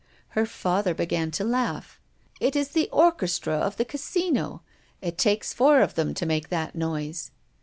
Her father began to laugh: "It is the orchestra of the Casino. It takes four of them to make that noise."